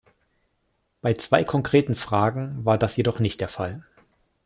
Bei zwei konkreten Fragen war das jedoch nicht der Fall.